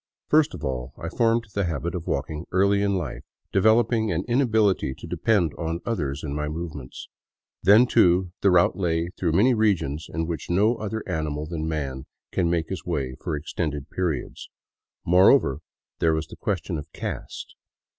First of all, I formed the habit of walking early in life, developing an inability to depend on others in my movements. Then, too, the route lay through many regions in which no other animal than man can make his way for extended periods. Moreover, there was the question of caste.